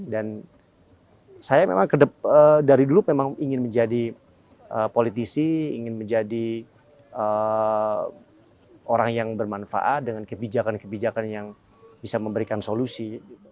dan saya memang dari dulu memang ingin menjadi politisi ingin menjadi orang yang bermanfaat dengan kebijakan kebijakan yang bisa memberikan solusi